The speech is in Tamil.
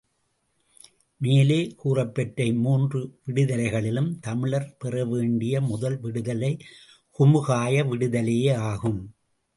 மேலே கூறப்பெற்ற இம்மூன்று விடுதலைகளிலும் தமிழர் பெறவேண்டிய முதல் விடுதலை குமுகாய விடுதலையே ஆகும்.